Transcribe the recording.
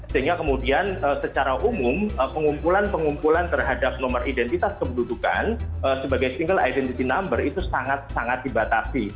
sehingga kemudian secara umum pengumpulan pengumpulan terhadap nomor identitas kependudukan sebagai single identity number itu sangat sangat dibatasi